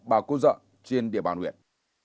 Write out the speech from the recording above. và cố dận trên địa bàn huyện